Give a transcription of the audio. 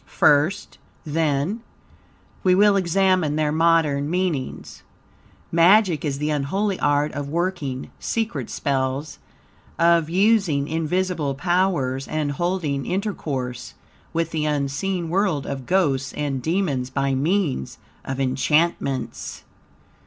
First, then, we will examine their modern meanings. Magic is the unholy art of working secret spells, of using invisible powers, and holding intercourse with the unseen world of ghosts and demons, by means of enchantments.